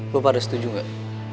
lo pada setuju gak